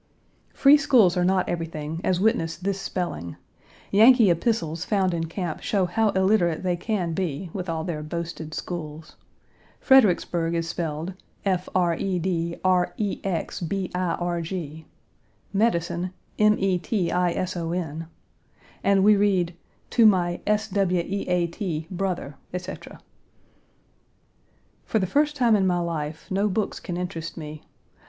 Free schools are not everything, as witness this spelling. Yankee epistles found in camp show how illiterate they can be, with all their boasted schools. Fredericksburg is spelled "Fredrexbirg," medicine, "metison," and we read, "To my sweat brother," etc. For the first time in my life no books can interest me.